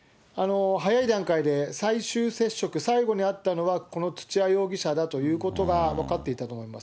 早い段階で、最終接触、最後に会ったのはこの土屋容疑者だということが分かっていたと思います。